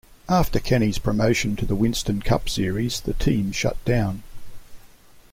After Kenny's promotion to the Winston Cup series, the team shut down.